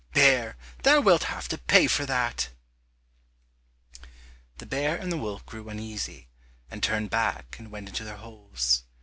Bear, thou wilt have to pay for that!" The bear and the wolf grew uneasy, and turned back and went into their holes.